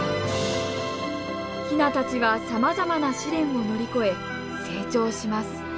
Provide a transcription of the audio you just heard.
ヒナたちはさまざまな試練を乗り越え成長します。